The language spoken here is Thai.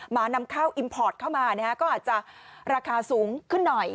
นำข้าวอิมพอร์ตเข้ามาก็อาจจะราคาสูงขึ้นหน่อย